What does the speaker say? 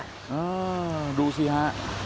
อ้าวดูสิฮะ